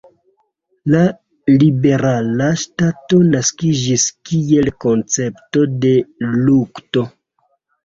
La Liberala Ŝtato naskiĝis kiel koncepto de lukto.